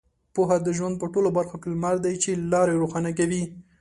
پوهه د ژوند په ټولو برخو کې لمر دی چې لارې روښانه کوي.